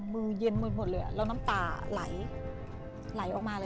มือเย็นหมดเลยอ่ะแล้วน้ำตาหลายออกมาเลยอ่ะ